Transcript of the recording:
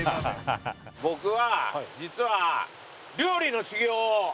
僕は実は。